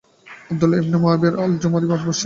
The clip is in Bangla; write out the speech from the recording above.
Abdullah ibn Muawiya al-Jumahi al-Basri